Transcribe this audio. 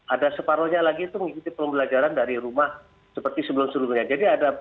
ada separohnya lagi itu mengikuti pembelajaran dari rumah seperti sebelum sebelumnya